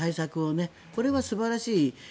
これは素晴らしい。